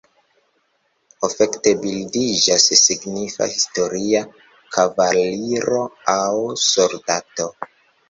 Ofte bildiĝas signifa historia kavaliro aŭ soldato.